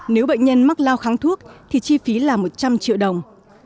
nếu bệnh nhân mắc lao kháng thuốc thì chi phí là một trăm linh triệu đồng